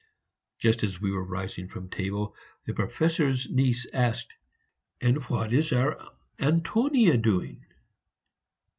Just as we were rising from table, the Professor's niece asked, "And what is our Antonia doing?"